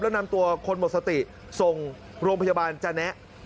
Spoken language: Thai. แล้วนำตัวคนหมดสติส่งโรงพยาบาลจาแนะ